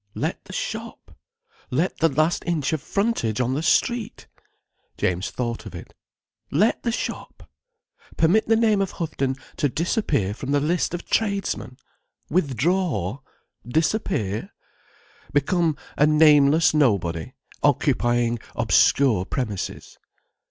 Let the shop! Let the last inch of frontage on the street! James thought of it. Let the shop! Permit the name of Houghton to disappear from the list of tradesmen? Withdraw? Disappear? Become a nameless nobody, occupying obscure premises?